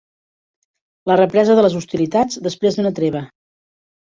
La represa de les hostilitats després d'una treva.